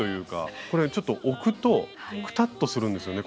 これちょっと置くとクタッとするんですよね